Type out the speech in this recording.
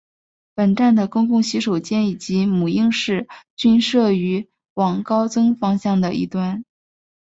本站的公共洗手间以及母婴室均设于往高增方向的一端。